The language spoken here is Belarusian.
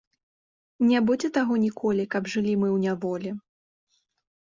Ня будзе таго ніколі, каб жылі мы ў няволі!